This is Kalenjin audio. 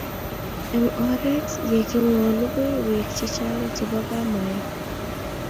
Eng oret ye kingolugui Bek chechang chebo kamaiyo